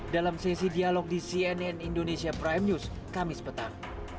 dalam sesi dialog di cnn indonesia prime news kamis petang